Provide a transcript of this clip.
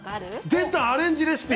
出た、アレンジレシピ。